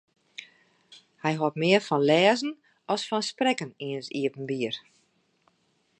Hy hâldt mear fan lêzen as fan sprekken yn it iepenbier.